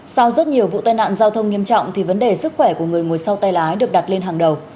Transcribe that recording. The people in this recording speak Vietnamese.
sau rất nhiều vụ tai nạn giao thông nghiêm trọng thì vấn đề sức khỏe của người ngồi sau tay lái được đặt lên hàng đầu